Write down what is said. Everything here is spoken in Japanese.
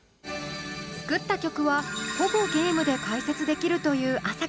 作った曲はほぼゲームで解説できるという４ｓ４ｋｉさん。